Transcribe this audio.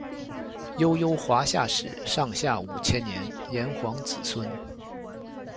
悠悠华夏史上下五千年炎黄子孙